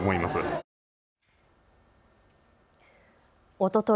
おととい